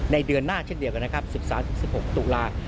ในเดือนหน้าเช่นเดียวกัน๑๓๑๖ตุลาคม